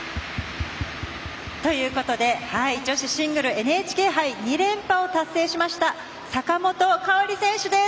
女子シングルＮＨＫ杯２連覇を達成しました坂本花織選手です。